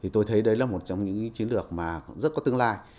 tôi thấy đấy là một trong những chiến lược mà rất có tương lai